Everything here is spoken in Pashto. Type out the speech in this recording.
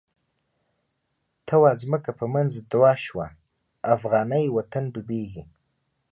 ته واځمکه په منځ دوه شوه، افغانی وطن ډوبیږی